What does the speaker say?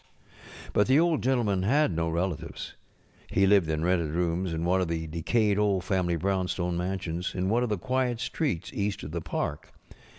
But the Old Gentleman had no relatives. He lived in rented rooms in one of the decayed old family brownstone mansions in one of the quiet streets east of the park.